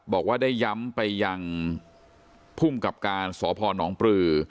บอกว่าได้ย้ำไปอย่างพุ่งกับการสอพรน้องปลือ